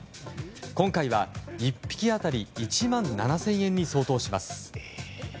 今回は、１匹当たり１万７０００円に相当します。